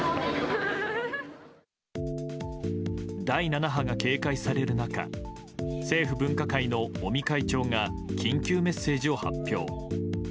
第７波が警戒される中政府分科会の尾身会長が緊急メッセージを発表。